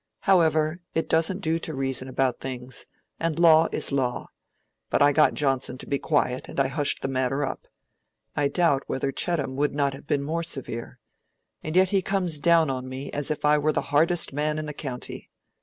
However, it doesn't do to reason about things; and law is law. But I got Johnson to be quiet, and I hushed the matter up. I doubt whether Chettam would not have been more severe, and yet he comes down on me as if I were the hardest man in the county.